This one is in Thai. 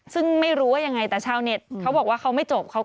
ซึ่งไม่รู้ว่ายังไงแต่ชาวเน็ตเขาบอกว่าเขาไม่จบ